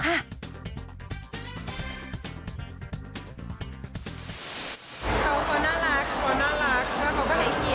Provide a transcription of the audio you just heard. เขาก็ต้องน่ารักและเขาก็น่าเกลี่ย